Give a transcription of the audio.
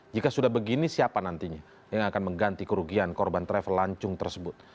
jika sudah begini siapa nantinya yang akan mengganti kerugian korban travel lancung tersebut